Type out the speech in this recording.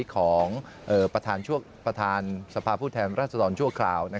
ของประธานสภาพผู้แทนรัศดรชั่วคราว